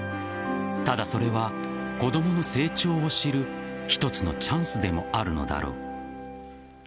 ただそれは、子供の成長を知る一つのチャンスでもあるのだろう。